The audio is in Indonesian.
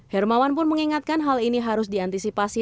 hermawan pun mengingatkan hal ini harus diantisipasi